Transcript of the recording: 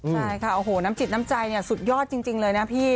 ใช่ค่ะน้ำจิตน้ำใจสุดยอดจริงเลยนะพี่